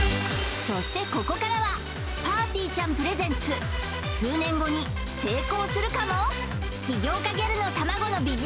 そしてここからはぱーてぃーちゃんプレゼンツ数年後に成功するかも？